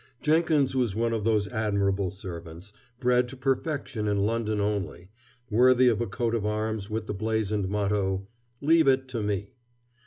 Jenkins was one of those admirable servants bred to perfection in London only worthy of a coat of arms with the blazoned motto: "Leave it to me."